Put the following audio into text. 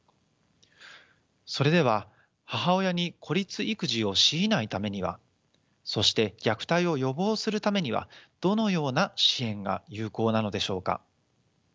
それでは母親に孤立育児を強いないためにはそして虐待を予防するためにはどのような支援が有効なのでしょうか。